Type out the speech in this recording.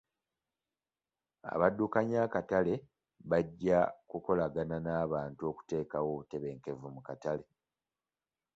Abaddukanya akatale bajja kukolagana n'abantu okuteekawo obutebenkevu mu katale.